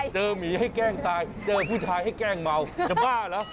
หมีให้แกล้งตายเจอผู้ชายให้แกล้งเมาจะบ้าเหรอ